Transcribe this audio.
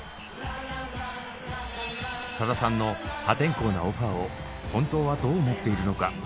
さださんの破天荒なオファーを本当はどう思っているのか。